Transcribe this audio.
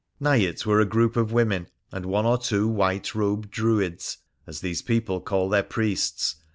Nigh it were a group of women, and one or two white robed Druids, as these people call their priests.